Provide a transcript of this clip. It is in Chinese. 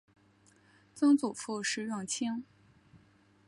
曾祖父石永清。